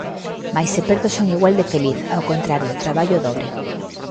Mais se perdo son igual de feliz, ao contrario: traballo o dobre.